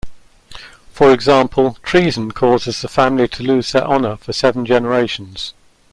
For example, treason causes the family to lose their honor for seven generations.